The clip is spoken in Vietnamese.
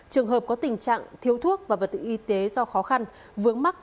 trường hợp có tình trạng thiếu thuốc và vật tư y tế do khó khăn vướng mắc